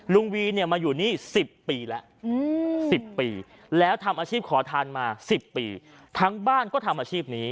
วีเนี่ยมาอยู่นี่๑๐ปีแล้ว๑๐ปีแล้วทำอาชีพขอทานมา๑๐ปีทั้งบ้านก็ทำอาชีพนี้